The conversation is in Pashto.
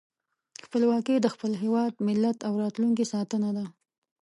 خپلواکي د خپل هېواد، ملت او راتلونکي ساتنه ده.